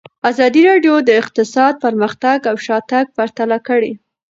ازادي راډیو د اقتصاد پرمختګ او شاتګ پرتله کړی.